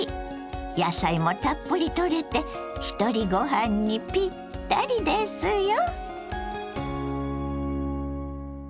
野菜もたっぷりとれてひとりごはんにぴったりですよ。